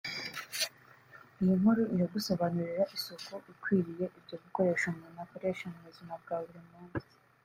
Iyi nkuru iragusobanurira isuku ikwiriye ibyo bikoresho umuntu akoresha mu buzima bwa buri munsi